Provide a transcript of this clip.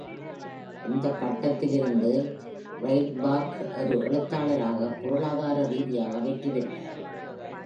இந்த கட்டத்தில் இருந்து, Rydberg ஒரு எழுத்தாளராக பொருளாதார ரீதியாக வெற்றி பெற்றார்.